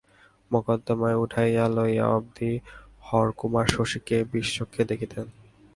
মকদ্দমা উঠাইয়া লওয়া অবধি হরকুমার শশীকে বিষচক্ষে দেখিতেন।